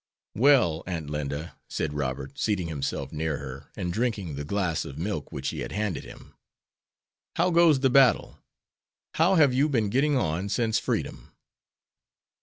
"Well, Aunt Linda," said Robert, seating himself near her, and drinking the glass of milk which she had handed him, "how goes the battle? How have you been getting on since freedom?"